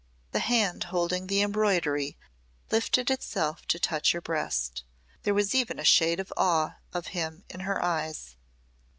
The hand holding the embroidery lifted itself to touch her breast. There was even a shade of awe of him in her eyes.